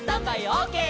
オーケー！」